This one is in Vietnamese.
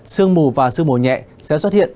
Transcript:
sương mù và sương mù nhẹ sẽ xuất hiện